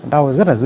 đau rất là nhiều